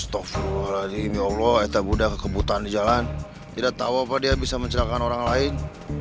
astagfirullahaladzim ya allah itabudda kekebutaan jalan tidak tahu apa dia bisa mencelakkan orang lain